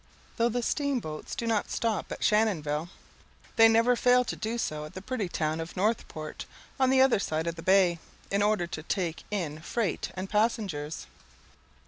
Though the steamboats do not stop at Shannonville, they never fail to do so at the pretty town of Northport, on the other side of the bay, in order to take in freight and passengers.